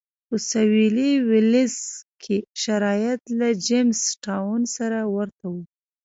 په سوېلي ویلز کې شرایط له جېمز ټاون سره ورته و.